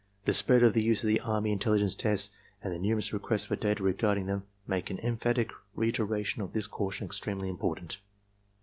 The spread of the use of the army in telligence tests and the numerous requests for data regarding them make the emphatic reiteration of this caution extremely important.